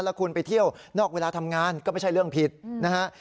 แล้วคุณไปเที่ยวนอกเวลาทำงานก็ไม่ใช่เรื่องผิดนะฮะ